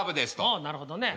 うんなるほどね。